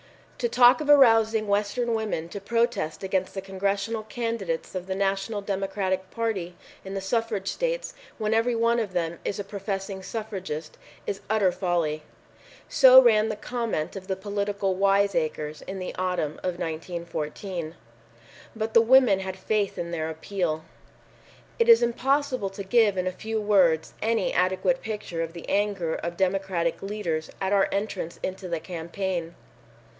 "To talk of arousing the Western women to protest against the Congressional candidates of the National Democratic Party in the suffrage states, when every one of them is a professing suffragist, is utter folly." So ran the comment of the political wise acres in the autumn of 1914. But the women had faith in their appeal. It is impossible to give in a few words any adequate picture of the anger of Democratic leaders at our entrance into the campaign.